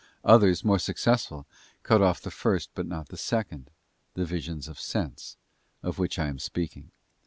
Others, more successful, cut off the first, but not the second —the visions of sense—of which I am speaking.